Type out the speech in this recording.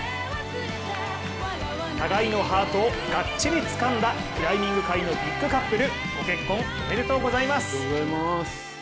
互いのハートをがっちりつかんだクライミング界のビッグカップル、ご結婚おめでとうございます！